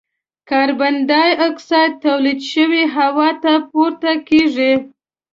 کاربن ډای اکسایډ تولید شوی هوا ته پورته کیږي.